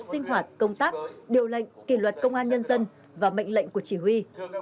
sinh hoạt công tác điều lệnh kỷ luật công an nhân dân và mệnh lệnh của chỉ huy